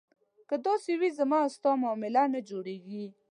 که داسې وي زما او ستا معامله نه جوړېږي.